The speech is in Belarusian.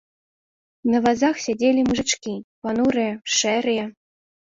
На вазах сядзелі мужычкі, панурыя, шэрыя.